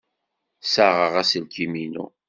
Ssaɣeɣ aselkim-inu.